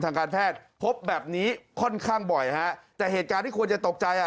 ทางการแพทย์พบแบบนี้ค่อนข้างบ่อยฮะแต่เหตุการณ์ที่ควรจะตกใจอ่ะ